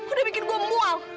udah bikin gue mual